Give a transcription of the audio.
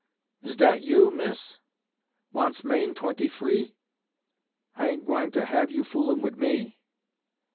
Is dat you, Miss? wants Main twenty free! (I ain't gwine to have you foolin' wid me!)